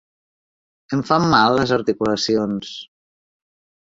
Em fan mal les articulacions.